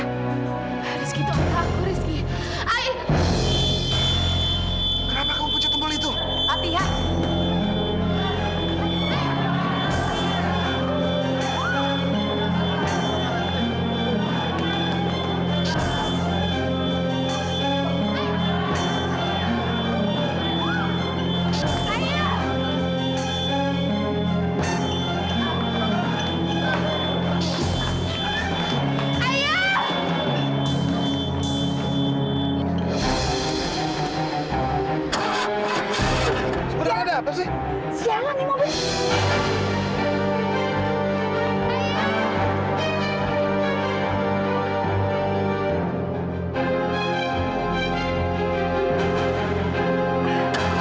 hai rezeki untuk aku rezeki air hai kenapa kau punya tempat itu hati hati